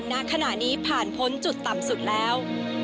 ณขณะนี้ผ่านพ้นจุดต่ำสุดแล้ว